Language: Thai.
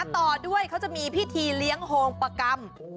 ต่อด้วยเขาจะมีพิธีเลี้ยงโฮงประกรรม